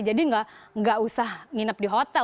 jadi tidak usah menginap di hotel